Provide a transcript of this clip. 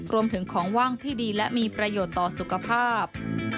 รวมถึงของว่างที่ดีและมีประโยชน์ต่อสุขภาพ